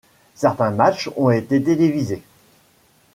Certains matchs ont été télévisés.